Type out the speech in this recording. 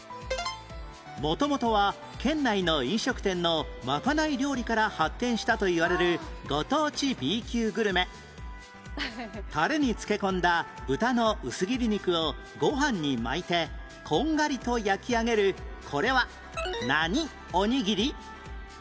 元々は県内の飲食店のまかない料理から発展したといわれるご当地 Ｂ 級グルメタレに漬け込んだ豚の薄切り肉をご飯に巻いてこんがりと焼き上げるこれは何おにぎり？